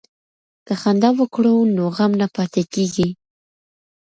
که خندا وکړو نو غم نه پاتې کیږي.